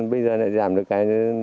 bây giờ lại giảm được cái